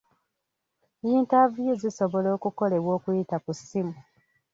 Yintaviyu zisobola okukolebwa okuyita ku ssimu.